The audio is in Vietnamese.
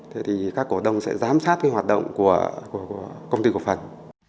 thế thì các cổ đông sẽ giám sát cái hoạt động của công ty cổ phần